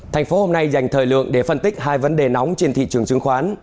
thành phố hôm nay dành thời lượng để phân tích hai vấn đề nóng trên thị trường chứng khoán